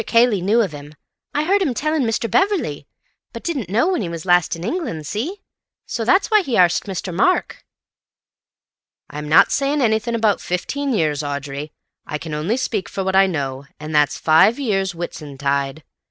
Cayley knew of him, I heard him telling Mr. Beverley, but didn't know when he was last in England—see? So that's why he arst Mr. Mark." "I'm not saying anything about fifteen years, Audrey. I can only speak for what I know, and that's five years Whitsuntide.